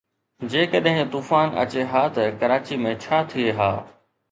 جيڪڏهن طوفان اچي ها ته ڪراچي ۾ ڇا ٿئي ها؟